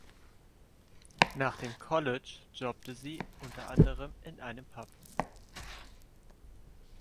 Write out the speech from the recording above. Nach dem College jobbte sie unter anderem in einem Pub.